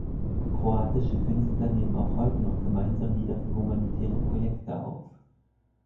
Kroatische Künstler nehmen auch heute noch gemeinsam Lieder für humanitäre Projekte auf.